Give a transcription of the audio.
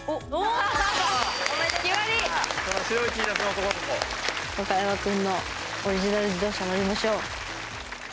ワカヤマくんのオリジナル自動車乗りましょう。